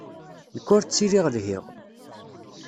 Nekk ur ttiliɣ lhiɣ.